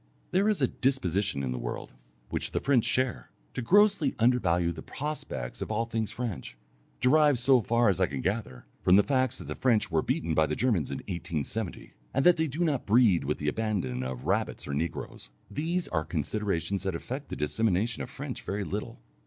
There is a disposition in the world, which the French share, to grossly undervalue the prospects of all things French, derived, so far as I can gather, from the facts that the French were beaten by the Germans in 1870, and that they do not breed with the abandon of rabbits or negroes. These are considerations that affect the dissemination of French very little.